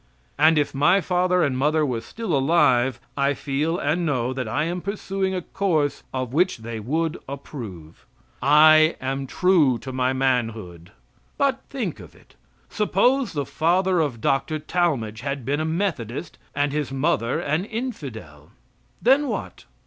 And if my father and mother were still alive I feel and know that I am pursuing a course of which they would approve. I am true to my manhood. But think of it! Suppose the father of Dr. Talmage had been a Methodist and his mother an infidel. Then what.